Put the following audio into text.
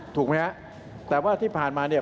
ถูกไหมฮะแต่ว่าที่ผ่านมาเนี่ย